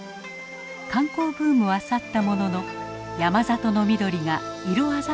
観光ブームは去ったものの山里の緑が色鮮やかに輝いています。